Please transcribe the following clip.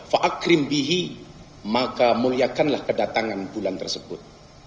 fa akrim bihi maka muliakanlah kedatangan bulan tersebut